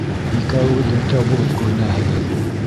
«Икәүегеҙ дүртәү булып күренәһегеҙ!»